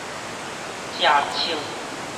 藉稱